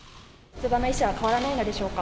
出馬の意思は変わらないのでしょうか。